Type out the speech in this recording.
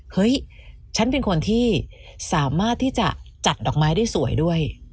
เฮ้ยฉันเป็นคนที่สามารถที่จะจัดดอกไม้ได้สวยด้วย